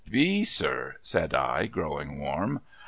B, sir?' said I, growing warm.